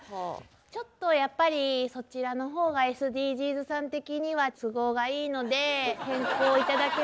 ちょっとやっぱりそちらのほうがＳＤＧｓさん的には都合がいいので変更頂けませんでしょうかネタの。